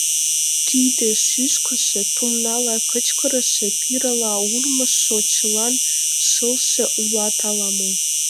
Тиде шӱшкышӧ, тумнала кычкырыше, пирыла урмыжшо — чылан шылше улыт ала-мо?